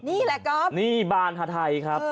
นี่แหละก๊อฟนี่บานฮาไทยครับ